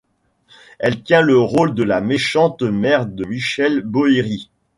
Elle tient le rôle de la méchante mère de Michel Bohiri.